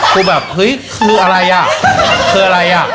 กูแบบคืออะไรอ่ะ